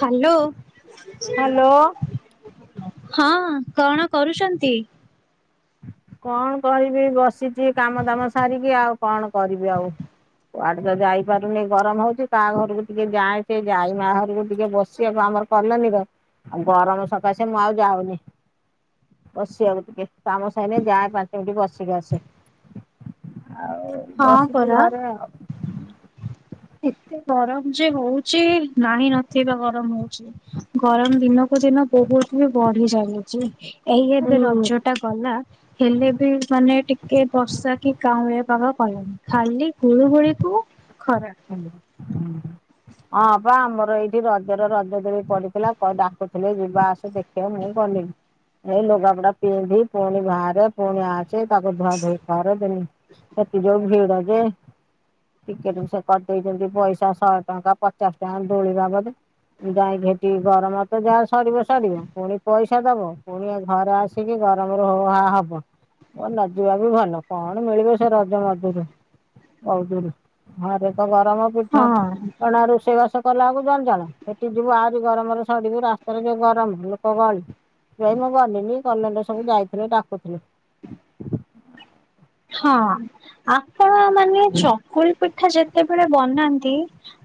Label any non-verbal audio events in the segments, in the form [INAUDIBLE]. Hello hello ହଁ କଣ କରୁଚନ୍ତି? କଣ କରିବି ବସିଚି କାମ ଦାମ ସାରିକି ଆଉ କଣ କରିବି ଆଉ। କୁଆଡେ ତ ଯାଇପାରୁନି ଗରମ ହଉଚି କାହା ଘରକୁ ଟିକେ ଯାଏଁ ସେ ଯାଇ ମା ଘରକୁ ଟିକେ ବସିବାକୁ ଆମର କଲୋନୀର ଆଉ ଗରମ ସକାସେ ମୁଁ ଆଉ ଯାଉନି। ବସିିବାକୁ ଟିକେ। ତାମସ୍ ହେଲେ ଯାଏ ପାଞ୍ଚମିନିଟ୍ ବସିକି ଆସେ ଆଉ ହଁ ବସିଚ ପରା ଘରେ ଆଉ। ଏତେ ଗରମ ଯେ ହଉଚି ନାହିଁ ନଥିବା ଗରମ ହଉଚି। ଗରମ ଦିନକୁ ଦିନ ବହୁତ ହି ବଢି ଚାଲିଚି। ଏଇ ଏବେ ରଜ ଟା ଗଲା ହେଲେ ବି ମାନେ ଟିକେ ବର୍ଷା କି କାଉଁଳିଆ ପାଗ କଲାନି। ଖାଲି ଗୁଳୁଗୁଳିକୁ ଖରା [UNINTELLIGIBLE] ହଁ ବା ଆମର ଏଇଠି ରଜର ରଜ ଦୋଳି ପଡିଥିଲା ବ ଡାକୁଥିଲେ ଯିବା ଆସ ଦେଖ୍ ହେ ମୁଁ ଗଲିନି ଏଇ ଲୁଗାପଟା ପିନ୍ଧି ପୁଣି ବାହାରେ ପୁଣି ଆସେ ତାକୁ ଧୁଆ ଧୋଇ କର। ତେଣିକି ସେଠି ଯୋଉ ଭିଡ ଯେ, ଟିକେଟ୍ ସେ କଟେଇଚନ୍ତି ପଇସା ଶହେ ଟଙ୍କା, ପଚାଶ ଟଙ୍କା ଦୋଳି ବାବଦକୁ। ଯାଇ ଭେଟିକି ଗରମତ ଯାହା ସଢିବ ସଢିବ ପୁଣି ପଇସା ଦବ ପୁଣି ଘରେ ଆସି ସିକି ଗରମରେ ଉ ଆ ହବ। ମୋ ନ ଯିବା ବି ଭଲ। କଣ ମିଳିବ ସେ ରଜ ମଜରୁ। [UNINTELLIGIBLE] ଘରେ ତ ଗରମ ହଁ ପିଠାପଣା, ରୋଷେଇବାସ କଲାକୁ ଜଞ୍ଜାଳ ସେଠି ଯିବୁ ଆହୁରି ଗରମରେ ସଢିବୁ ରାସ୍ତାରେ ଯୋଉ ଗରମ ଲୋକ ଗହଳି। ସେଇ ମୁଁ ଗଲିିନି କଲୋନୀରେ ସବୁ ଯାଇଥିଲେ ଡାକୁଥିଲେ। ହଁ ଆପଣ ମାନେ ଚକୁଳିପିଠା ଯେତେବେଳେ ବନାନ୍ତି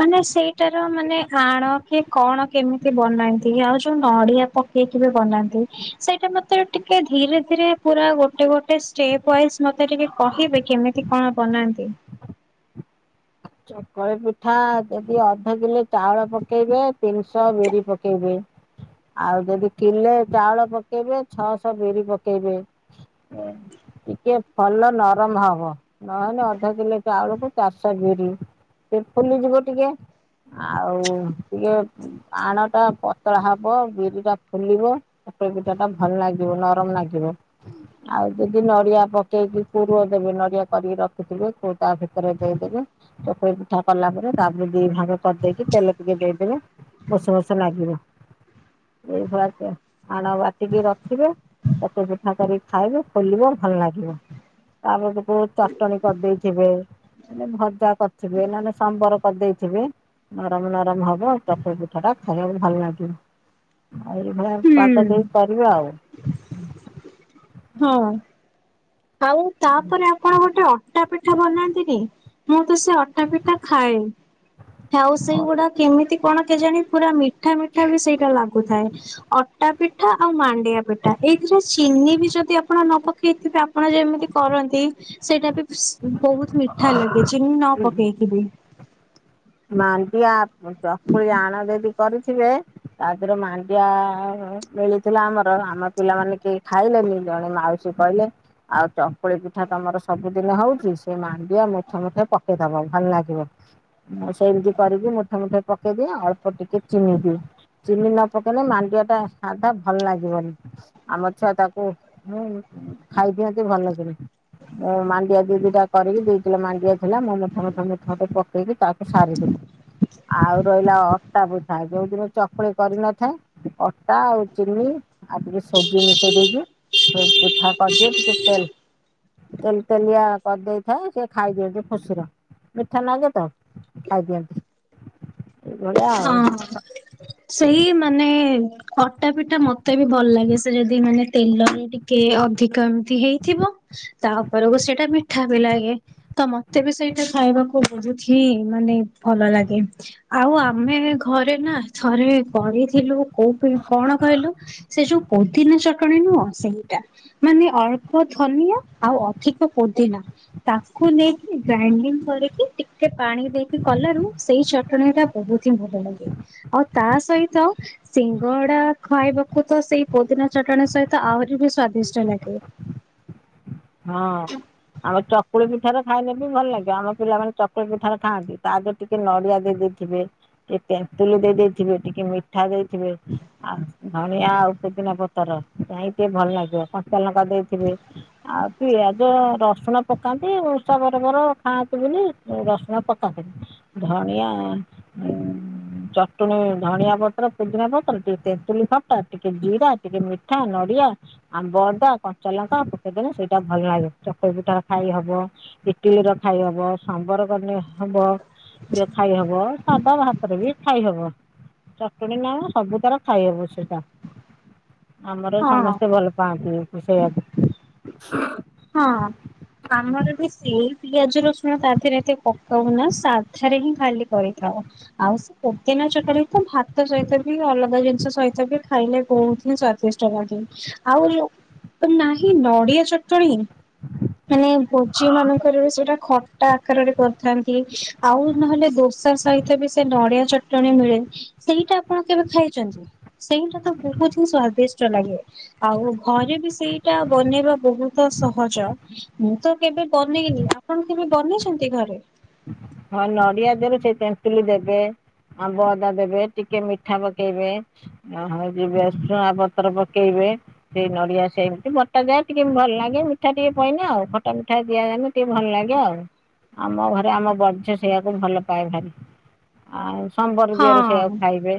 ମାନେ ସେଇଟାର ମାନେ ଆଣ କି କଣ କେମିତି ବନାନ୍ତି ଆଉ ଯୋଉ ନଡିଆ ପ କଉ ଥିରେ ବନାନ୍ତି ସେଇଟା ମତେ ଟିକେ ଧୀରେ ଧୀରେ ପୁରା ଗୋଟେ ଗୋଟେ ଷ୍ଟେପ୍ ୱାଇଜ୍ ମ ମତେ ଟିକେ କହିବେ କେମିତି କଣ ବନାନ୍ତି? ଚକ୍ କଳି ପିଠା ଯଦି ଅଧ କିଲେ ଚାଉଳ ପକେଇବେ ତିନିଶ ବିରି ପକେଇବେ। ଆଉ ଯଦି କିଲେ ଚାଉଳ ପକେଇବେ ଛଅଶ ବିରି ପକେଇବେ। [UNINTELLIGIBLE] ଟିକେ ଭଲ ନରମ ହବ ନହେଲେ ଅଧ କିଲୋ ଚାଉଳକୁ ଚାରିଶ ବିରି ସେ ଫୁଲି ଯିବ ଟିକେ ଆଉ ଟିକେ ଆଣ ଟା ପତଳା ହବ ବିରି ଟା ଫୁଲିବ। ଚକୁଳି ପିଠାଟା ଭଲ ଲାଗିବ ନରମ ଲାଗିବ। ଆଉ ଯଦି ନଡିଆ ପକେଇକି କୋରୁଅ ଦେବେ ନଡିଆ କରିକି ରଖିଥିବେ କୋ ତା ଭିତରେ ଦେଇଦେବେ। ଚକୁଳି ପିଠା କଲା ପରେ ତାପରେ ଦି ଭାଗେ କରିଦେଇକି ତେଲ ଟିକେ ଦେଇଦେବେ? ମସୁ ମସୁ ନାଗିବ। ଏଇଭଳିଆ କୁ ଆଣ ବାଟିକି ରଖିବେ ଚକୁଳି ପିଠା କରିକି ଖାଇବେ ଫୁଲିବ ଭଲ ଲାଗିବ। ତା ପଟକୁ ଚଟଣି କରିଦେଇଥିବେ ନନେ ଭ ଜା କରିଥିବେ ନନେ ସମ୍ବର କରିଦେଇଥିବେ ନରମ ନରମ ହବ ଚକୁଳି ପିଠା ଟା ଖାଇବାକୁ ଭଲ ଲାଗିବ। ଆଉ ଏଇଭଳିଆ ହୁଁ ପାଗ ଦେଇ କରିବେ ଆଉ। ହଁ ଆଉ ତାପରେ ଆପଣ ଗୋଟେ ଅଟା ପିଠା ବନାନ୍ତିନି? ମୁଁ ତ ସେ ଅଟା ପିଠା ଖାଏ, ଆଉ ସେଇଗୁଡା କେମିତି କଣ କେଜାଣି ପୁରା ମିଠା ମିଠା ବି ସେଇଟା ଲାଗୁଥାଏ। ଅଟା ପିଠା ଆଉ ମାଣ୍ଡିଆ ପିଠା ଏଇଥିରେ ଚିନି ବି ଯ ଯଦି ଆପଣ ନ ପକେଇଥିବେ ଆପଣ ଯେମିତି କରନ୍ତି ସେଇଟା ବି ସି ବହୁତ୍ ମିଠା ଲାଗେ ଚିନି ନ ପକେଇକି ବି। ମାଣ୍ଡିଆ ଆପ ଚକୁଳି ଆଣ ଯଦି କରିଥିବେ ତାଦେରୁ ମାଣ୍ଡିଆ ମିଳିଥିଲା ଆମର ଆମ ପିଲାମାନେ କେହି ଖାଇଲେନି ଜଣେ ମାଉ ସି କହିଲେ? ଆଉ ଚକୁଳି ପିଠା ତମର ସବୁଦିନେ ହଉଚି ସେ ମାଣ୍ଡିଆ ମୁଠେ ମୁଠେ ପକେଇଦବ ଭଲ ଲାଗିବ। ମୁଁ ସେମିତି କରିକି ମୁଠେ ମୁଠେ ପକେଇଦିଏ ଅଳ୍ପ ଟିକେ ଚିିନିଦିଏ। ଚିନି ନ ପକେଇଲେ ମାଣ୍ଡିଆ ଟା ସାଧା ଭଲ ଲାଗିବନି। ଆମ ଛୁଆ ତାକୁ ହୁଁ ଖାଇଦିଅନ୍ତି ଭଲ କିରି। ଏ ମାଣ୍ଡିଆ ଦି ଦିଟା କରିକି ଦିକିଲୋ ମାଣ୍ଡିଆ ଥିଲା ମୁଁ ମୁଠେ ମୁଠେ ମୁଠେ ମୁଠେ ପକେଇକି ତା ସାରିଦେଲି। ଆଉ ରହିଲା ଅଟା ପିଠା ଯୋଉଦିନ ଚକୁଳି କରିନଥାଏ। ଅଟା ଆଉ ଚିନି ଆଉ ଟିକେ ସୁଜି ମିଶେଇ ଦେଇକି ସେ ପିଠା କରିଦେଏ, ଟିକେ ତେଲ ତେଲ ତେଲିଆ କରିଦେଇଥାଏ ସେ ଖାଇ ଦିଅନ୍ତି ଖୁସିର ମିଠା ନାଗେ ତ। ଆଜ୍ଞା। ହଁ ସେଇ ମାନେ ଅଟା ପିଠା ମତେ ବି ଭଲ ଲାଗେ, ସେ ଯଦି ମାନେ ତେଲରେ ଟିକେ ଅଧିକ ଏମିତି ହେଇଥିବ। ତାପରକୁ ସେଇଟା ମିଠା ବି ଲାଗେ। ତ ମତେ ବି ସେଇଟା ଖାଇବାକୁ ବହୁତ୍ ହିଁ ମାନେ ଭଲ ଲାଗେ। ଆଉ ଆପ ଆମେ ଘରେ ନାଁ ଥରେ କରିଥିଲୁ କୋଉ ପାଇଁ କଣ କହିଲୁ? ସେ ଯୋଉ ପୋଦିନା ଚଟଣିୀ ନୁହଁ ସେଇଟା। ମାନେ ଅଳ୍ପ ଧନିଆ ଆଉ ଅଧିକ ପୋଦିନା ତାକୁ ନେଇକି ଗ୍ରାଇଣ୍ଡିଙ୍ଗ କରିକି ଟିକେ ପାଣି ଦେଇକି କଲାରୁ ସେଇ ଚଟଣି ଟା ବହୁତ୍ ହିଁ ଭଲ ଲାଗେ। ଆଉ ତା ସହିତ ସିଙ୍ଗଡା ଖାଇବାକୁ ତ ସେଇ ପୋଦିନା ଚଟଣି ସହିତ ଆହୁରି ବି ସ୍ଵାଦିଷ୍ଟ ଲାଗେ। ହଁ। ଆମ ଚକୁଳି ପିଠାରେ ଖାଇଲେ ବି ଭଲ ଲାଗିବ ଆମ ପିଲାମାନେ ଚକୁଳି ପିଠା ଖାଆନ୍ତି। ତା ଦେ ଟିକେ ନଡିଆ ଦେଇ ଦେଇଥିବେ, ଟିକେ ତେନ୍ତୁଲି ଦେଇ ଦେଇଥିବେ, ଟିକେ ମିଠା ଦେଇଥିବେ ଆଉ ଧଣିଆ ଆଉ ପୁଦିନା ପତର ଯାଇ ଟିକେ ଭଲ ଲାଗିବ କଞ୍ଚା ଲଙ୍କା ଦେଇଥିବେ ଆଉ ପିଆଜ ରସୁଣ ପକାନ୍ତି ଉଷା ବରବର ଖାଆନ୍ତି ବୋଲି ରସୁଣ ପକାନ୍ତିନି। ଧଣିଆ ଉଁ ଚଟଣୀ ଧଣିଆ ପତ୍ର, ପୁଦିନା ପତ୍ର, ଟିକେ ତେନ୍ତୁଲି ଖଟା, ଟିକେ ଜିରା, ଟିକେ ମିଠା, ନଡିଆ ଆମ୍ବଅଦା, କଞ୍ଚା ଲଙ୍କା, ପକେଇଦଲେ ସେଇଟା ଭଲ ଲାଗେ ଚକୁଳି ପିଠାରେ ଖାଇ ହବ। ଇଟିଲି ର ଖାଇ ହବ। ସାମ୍ବର ବନେଇ ହବ। ଖାଇ ହବ ସାଦା ଭାତରେ ବି ଖାଇ ହବ। ଚଟଣି ନା ସବୁ ତାର ଖାଇହବ ସେଟା। ଆମର ହଁ। ସମସ୍ତେ ଭଲ ପାଆନ୍ତି ସେଇଆ କୁ। ହଁ ଆମର ବି ସେଇ ପିଆଜ ର ସୁଣ ତା ଦେହରେ ଏତେ ପକାଉ ନା ସାଧାରେ ହିଁ ଖାଲି କରିଥାଉ ଆଉ। ପୋଦିନା ଚଟଣି କୁ ଭାତ ସହିତ ବି ଅଲଗା ଜିନିଷ ସହିତ ବି ଖାଇଲେ ବହୁତ ହିଁ ସ୍ଵାଦିଷ୍ଟ ଲାଗେ। ଆଉ ନାହିଁ ନଡିଆ ଚଟଣୀ ହଁ। ମାନେ ଭୋଜି ମାନଙ୍କରେ ବି ସେଇଟା ଖଟା ଆକାରରେ କରିଥାନ୍ତି ଆଉ ନହେଲେ ଦୋସା ସହିତ ବି ସେ ନଡିଆ ଚଟଣି ମିଳେ। ସେଇଟା ଆପଣ କେବେ ଖାଇଛନ୍ତି? ସେଇଟା ତ ବହୁତ ହି ସ୍ଵାଦିଷ୍ଟ ଲାଗେ ଆଉ ଘରେ ବି ସେଇଟା ବନେଇବା ବହୁତ ତ ସହଜ ମୁଁ ତ କେବେ ବନେଇନି ଆପଣ କେବେ ବନେଇଛନ୍ତି ଘରେ? ହଁ ନଡିଆ ଦେହ ରେ ସେ ତେନ୍ତୁଳି ଦେବେ ଆମ୍ବ ଅଦା ଦେବେ ଟିକେ ମିଠା ପକେଇବେ ଆ ହଉ ଭେରୁସୁଙ୍ଗା ପତ୍ର ପକେଇବେ ସେଇ ନଡିଆ ସେମିତି ବଟା ଯାଏ ଟିକେ ଭଲ ଲାଗେ ମିଠା ଟିକେ ପଇଲେ ଆଉ ଖଟା ମିଠା ଦିଆଯାଏ। ଟିକେ ଭଲ ଲାଗେ ଆଉ ଆମ ଘରେ ଆମ ବ ସେ ସେଇଆକୁ ଭଲ ପାଏ ଭାରି ଆଉ ସମ୍ବର ଦେହରେ ହଁ ସେଇଆକୁ ଖାଇବେ।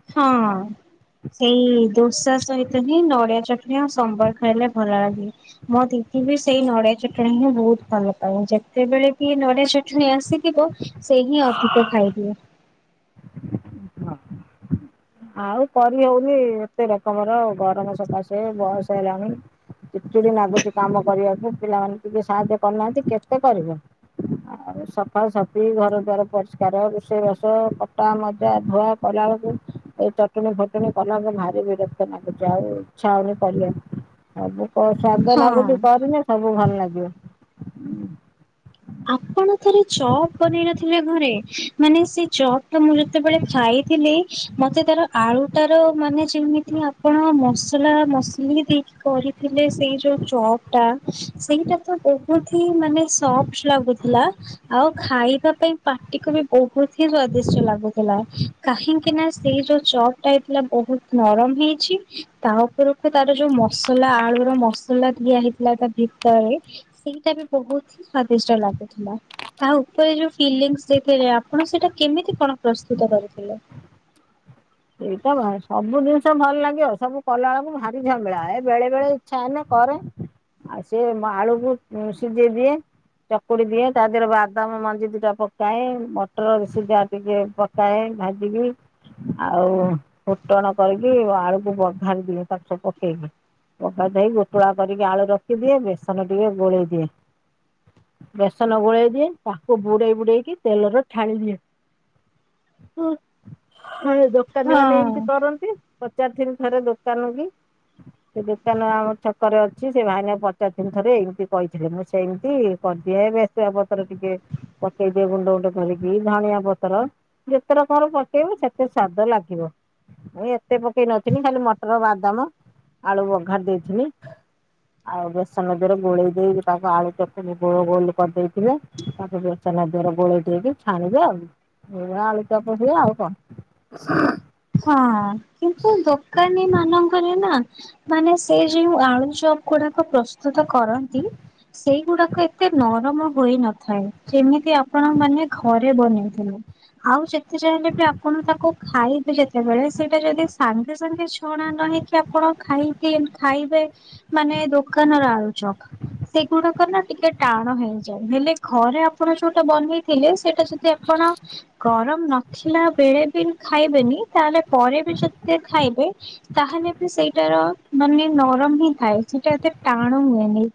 ହଁ। ସେଇ ଦୋସା ସହିତ ହିଁ ନଡିଆ ଚଟଣି ଆଉ ସମ୍ବର ଖାଇଲେ ଭଲ ଲାଗେ। ମୋ ଦିଦି ବି ସେଇ ନଡିଆ ଚଟଣି ହିଁ ବହୁତ ଭଲ ପାାଏ ଯେତେବେଳେ ବି ନଡିଆ ଚଟଣି ଆସି ଥିବ ସେ ହିଁ ଅଧିକ ଖାଇଦିଏ। ଆଉ କରିହଉନି ଏତେ ରକମର ଗରମ ସକାଶେ ବୟସ ହେଲାଣି। ଚିଡ଼ି ଚିଡ଼ି ନାଗୁଛି କାମ କରିବାକୁ ପିଲାମାନେ ଟିକେ ସାହାଯ୍ୟ କରିୁନାହାନ୍ତି କେତେ କରିବେ? ଆଉ ସକାଳୁ ସଫାସଫି ଘର ଦ୍ୱାର ପରିଷ୍କାର ରୋଷେଇବାସ କଟା ମଜା ଧୁଆ କଲାବେଳକୁ ଏଇ ଚଟଣୀ ଫଟଣୀ କଲାମ ଭାରି ବିରକ୍ତ ଲାଗୁଛି ଆଉ ଇଚ୍ଛା ହଉନି କଲେ ଆଉ ମୁ କ ସ୍ଵାଦ ନାଗୁଛି ହଁ। କରନେ ସବୁ ଭଲ ଲାଗିବ। ଆପଣ ଥରେ ଚପ୍ ବନେଇ ନଥିଲେ ଘରେ ମାନେ ସେଇ ଚପ୍ ଟା ମୁଁ ଯେତେବେଳେ ଖାଇଥିଲି ମତେ ତାର ଆଳୁଟାର ମାନେ ଯେମିତି ଆପଣ ମସଲା ମସଲି ଦେଇ କରିଥିଲେ ସେଇ ଯୋଉ ଚପ ଟା ସେଇଟା ତ ବହୁତ ହି ମାନେ ସଫଟ ଲାଗୁଥିଲା ଆଉ ଖାଇବା ପାଇଁ ପାଟିକୁ ବି ବହୁତ ହି ସ୍ଵାଦିଷ୍ଟ ଲାଗୁଥିଲା। କାହିଁକି ନା ସେଇ ଯୋଉ ଚପଟା ହେଇଥିଲା ବହୁତ ନରମ ହେଇଛି ତା ଉପର ତାର ଯୋଉ ମସଲା ଆଳୁର ର ମସଲା ଦିଆ ହେଇଥିଲା ତା ଭିତରେ ସେଇଟା ବି ବହୁତ ହି ସ୍ଵାଦିଷ୍ଟ ଲାଗୁଥିଲା। ତାହା ଉପରେ ଯୋଉ ଫିଲ ଦେଥିଲେ ଆପଣ ସେଟା କେମିତି କଣ ପ୍ରସ୍ତୁତ କରିଥିଲେ? ସେଇଟା ସବୁ ଜିନିଷ ଭଲ ଲାଗିବ ସବୁ କଲା ବେଳକୁ ଭାରି ଝାମେଲା ଏ ବେଳେ ବେଳେ ଇଛା ହେଲେ କରେ ଆଉ ସେଏ ଆଳୁକୁ ସିଝେଇ ଦିଏ ଚକୁଡି ଦିଏ ତା ଦେହରେ ବାଦାମ ମଞ୍ଜି ଦିଇଟା ପକାଏ ମଟର ସିଝା ଟିକେ ପକାଏ ଭାଜି କି ଆଉ ଫୁଟଣ କରିକି ଆଳୁକୁ ବଘାରିଦିଏ ତାକୁ ସବୁ ପକେଇକି ଅଟା ଦେଇ ଗୋଟୁଳା କରିକି ଆଳୁ ରଖିଦିଏ। ବେସନ ଟିକେ ଗୋଳେଇ ଦିଏ। ବେସନ ଗୋଳେଇ ଦିଏ ତାକୁ ବୁଡେଇ ବୁଡେଇକି ତେଲର ଛାଣି ଦିଏ। ହଁ। ହଁ ଏ ଦୋକାନୀ ମାନେ ହଁ ଏମତି କରନ୍ତି। ପଚାରିଥିନ ଥରେ ଦୋକାନ କି। ସେ ଦୋକାନ ଆମ ଛକରେ ଅଛି। ସେ ଭାଇନା ପଚାରିଥିନି ଦିନେ ଥରେ ଏମିତି କହିଥିଲେ। ମୁଁ ସେମିତି କରଦିଏ ବେଶୁଆ ପତର ଟିକେ ପକେଇଦିଏ ଗୁଣ୍ଡ ଗୁଣ୍ଡ କରିକି। ଧଣିଆ ପତର, ଯେତେ ରକମର ପକେଇବ ସେ ତେ ସ୍ଵାଦ ଲାଗିବ। ମୁଁ ଏତେ ପକେଇ ନଥିନି। ଖାଲି ମଟର, ବାଦାମ ଆଳୁ ବଘାରି ଦେଇଥିନି। ଆଉ ବେସନ ଦେରେ ଗୁଳେଇ ଦେଇକି ତାକୁ ଆଳୁ ଚଟନି ଗୋଳ ଗୋଲ କରିଦେଇଥିଲେ। ତାକୁ [UNINTELLIGIBLE] ଦିଅର ଗୋଳେଇ ଦେଇକି ଛାଣିବେ ଆଉ। [UNINTELLIGIBLE] ଆଳୁଚପ ହୁଏ ଆଉ କଣ। ହ ହଁ କିନ୍ତୁ ଦୋକାନୀ ମାନଙ୍କରେ ନା ମାନେ ସେ ଯେଉଁ ଆଳୁଚପ ଗୁଡାକ ପ୍ରସ୍ତୁତ କରନ୍ତି। ସେଇ ଗୁଡାକ ଏତେ ନରମ ହୋଇନଥାଏ। ଯେମିତି ଆପଣ ମାନେ ଘରେ ବନେଇଥିଲେ। ଆଉ ଯେତେ ଯାହେଲେ ବି ଆପଣ ତାକୁ ଖାଇବେ ଯେ ତେବେଳେ ସେଇଟା ଯଦି ସାଙ୍ଗେ ସାଙ୍ଗେ ଛଣା ନ ହେଇକି ଆପଣ ଖାଇକି ଏମ୍ ଖାଇବେ ମାନେ ଦୋକାନ ର ଆଳୁଚପ। ସେଗୁଡାକ ନା ଟିକେ ଟାଣ ହେଇଯାଏ। ହେଲେ ଘରେ ଆପଣ ଯୋଉଟା ବନେଇ ଥିଲେ ସେଇଟା ଯଦି ଆପଣ ଗରମ ନଥିଲା ବେଳେ ବି ଖାଇବେନି ତାହେଲେ ପରେ ବି ଯଦି ଖାଇବେ ତାହେଲେ ବି ସେଇଟାର ମାନେ ନରମ ହିଁ ଥାଏ, ସେଇଟା ଏତେ ଟାଣୁ ହୁଏନି।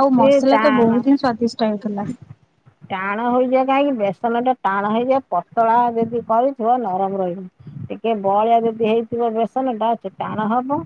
ଆଉ ସିଏ ମସଲା ତ ତା ବହୁତ ହିଁ ସ୍ଵାଦିଷ୍ଟ ହେଇଥିଲା। ଟାଣ ହୋଇଯାଏ, କାହିଁକି ବେସନ ଟା ଟାଣ ହେଇଯାଏ ପତଳା ଯଦି କରିଥିବ ନରମ ରହିବ। ଟିକେ ବଳିଆ ଯଦି ହେଇଥିବ ବେସନ ଟା ସେ ଟାଣ ହବ।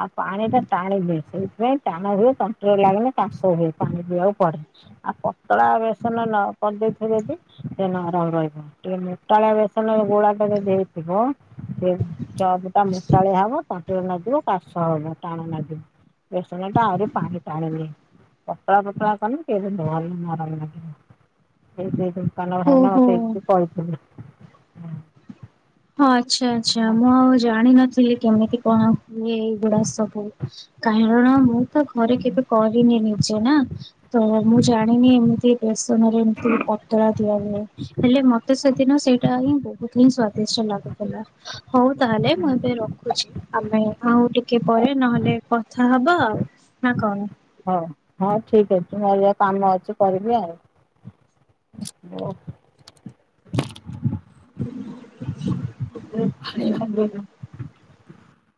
ଆଉ ପାଣି ଟା ଟାଣି ନିଏ। ସେଇଥିପାଇଁ ଟାଣ ହୁଏ ତଣ୍ଟର ଲାଗିଲେ କାଶ ହୁଏ। ପାଣି ପିଇବାକୁ ପଡେ, ଆଉ ପତଳା ବେସନ ନ କରିଦେଇଥିବେ ବି ସେ ନରମ ରହିବ। ଟିକେ ମୋଟାଳିଆ ବେସନ ଗୋଳା ଟା ଯଦି ଦେଇଥିବ ସିଏ ଚପ ଟା ମୋଟାଳିଆ ହବ ତଣ୍ଟିର ନାଗିବ। କାଶ ହବ, ଟାଣ ନାଗିବ, ବେସନ ଟା ଆଉରି ପାଣି ଟାଣି ନିଏ। ପତଳା ପତଳା କନେ ସିଏ ବି ଭଲ ନରମ ନାଗିବ। [INAUDIBLE] ଦୋକାନ ଭାଇନା ଓହୋ ମୋତେ ଏମତି କହିଥିଲେ। ହଁ ଆଚ୍ଛା, ଆଚ୍ଛା, ହଉ ମୁଁ ଆଉ ଜାଣିନଥିଲି କେମିତି କଣ ହୁଏ ଏଇଗୁଡା ସବୁ। କାରଣ ମୁଁ ତ ଘରେ କେବେ କରିନି ନିଜେ ନା। ତ ମୁଁ ଜାଣିନି ଏମିତି ବେସନରେ ଏମିତି ପତଳା ଦିଆଯାଏ। ହେଲେ ମୋତେ ସେଦିନ ସେଇଟା ହିଁ ବହୁତ ହିଁ ସ୍ଵା ଦିଷ୍ଅଁ ଲାଗୁଥିଲା। ହଉ ତାହେଲେ ମୁଁ ଏବେ ରଖୁଛି। ଆମେ ଆଉ ଟିକେ ପରେ ନହେଲେ କଥା ହବା ଆଉ ନା କଣ? ହୋ, ହଁ ଠିକ ଅଛି ମୋର ଯା କାମ ଅଛି କରିବି ଆଉ। ବୋ [INAUDIBLE]